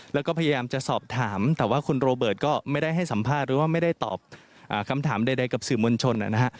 แล้วก็พยายามจะสอบถามแต่ว่าคุณโรเบิร์ตก็ไม่ได้ให้สัมภาษณ์หรือว่าไม่ได้ตอบคำถามใดกับสื่อมวลชนนะฮะ